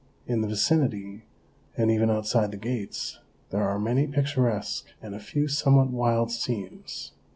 In the vicinity, and even outside the gates, there are many picturesque and a few somewhat wild scenes.